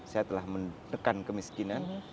saya telah mendekat kemiskinan